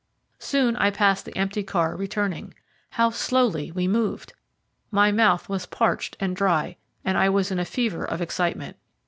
Soon I passed the empty car returning. How slowly we moved! My mouth was parched and dry, and I was in a fever of excitement.